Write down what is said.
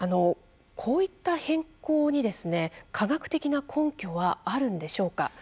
こういった変更に科学的な根拠はあるんでしょうか？